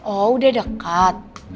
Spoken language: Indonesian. oh udah dekat